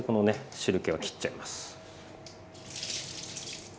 汁けはきっちゃいます。